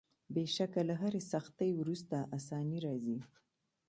بېشکه له هري سختۍ وروسته آساني راځي.